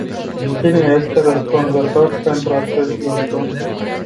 Cine este răspunzător pentru acest lucru?